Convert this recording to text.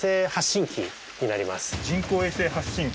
「人工衛星発信機」？